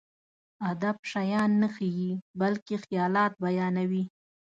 ادب شيان نه ښيي، بلکې خيالات بيانوي.